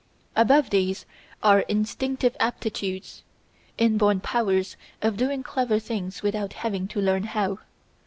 Above these are instinctive aptitudes, inborn powers of doing clever things without having to learn how.